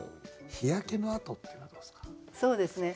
「日焼けの跡」っていうのはどうですか？